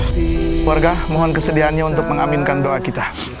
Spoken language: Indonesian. keluarga mohon kesediaannya untuk mengaminkan doa kita